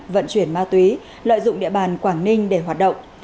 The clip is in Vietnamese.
vận chuyển ma túy lợi dụng địa bàn quảng ninh để hoạt động